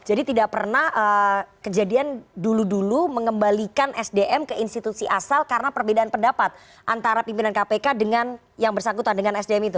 jadi tidak pernah kejadian dulu dulu mengembalikan sdm ke institusi asal karena perbedaan pendapat antara pimpinan kpk dengan yang bersangkutan dengan sdm itu